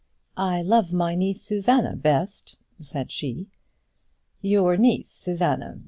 "I love my niece Susanna best," said she. "Your niece, Susanna!